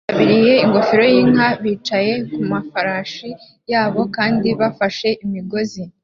Abitabiriye ingofero yinka bicaye kumafarasi yabo kandi bafashe imigozi